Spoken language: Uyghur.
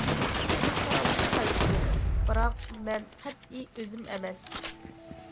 ئىككىمىز پاراڭلىشىپ قايتتۇق، بىراق مەن قەتئىي ئۆزۈم ئەمەس!